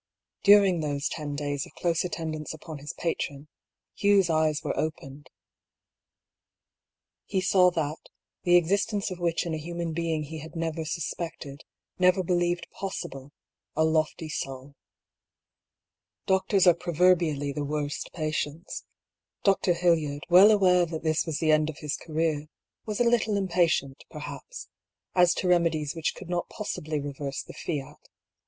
During those ten days of close attendance upon his patron, Hugh's eyes were opened. He saw that, the ex istence of which in a human being he had never sus pected, never believed possible, a lofty soul. Doctors are proverbially the worst patients. Dr. Hildyard, well aware that this was the end of his career, was a little impatient, perhaps, as to remedies which could not possibly reverse the fiat.